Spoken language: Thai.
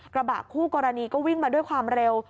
กระบะคู่กรณีก็วิ่งมาด้วยความเร็ว